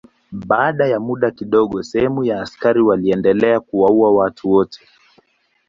Baada ya muda kidogo sehemu ya askari waliendelea kuwaua watu wote.